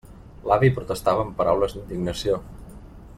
L'avi protestava amb paraules d'indignació.